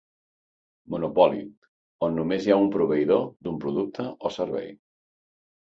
Monopoli, on només hi ha un proveïdor d'un producte o servei.